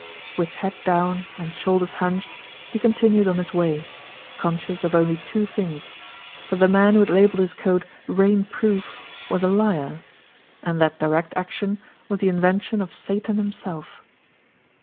With head down and shoulders hunched, he con tinued on his way, conscious of only two things; that the man who had labelled his coat "rain proof" was a liar, and that Direct Action was the invention of Satan himself.